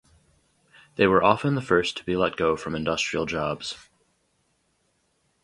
They were often the first to be let go from industrial jobs.